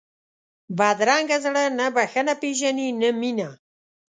بدرنګه زړه نه بښنه پېژني نه مینه